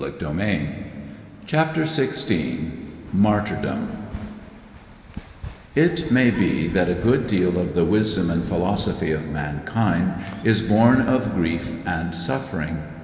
CHAPTER XVI MARTYRDOM It may be that a good deal of the wisdom and philosophy of mankind is born of grief and suffering.